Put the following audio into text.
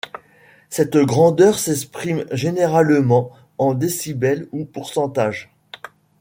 Cette grandeur s'exprime généralement en décibel ou pourcentage.